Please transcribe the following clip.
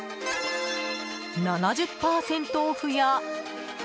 ７０％オフや。